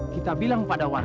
kita bilang pada warga